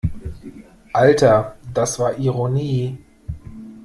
Alter, das war Ironie!